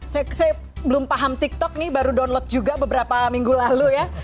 saya belum paham tiktok nih baru download juga beberapa minggu lalu ya